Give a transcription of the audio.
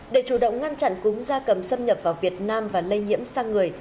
để chủ động ngăn chặn cúm da cầm xâm nhập vào việt nam và lây nhiễm sang người